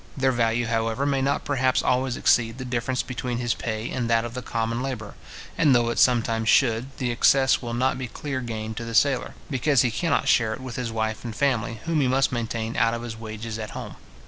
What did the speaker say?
Their value, however, may not perhaps always exceed the difference between his pay and that of the common labourer; and though it sometimes should, the excess will not be clear gain to the sailor, because he cannot share it with his wife and family, whom he must maintain out of his wages at home.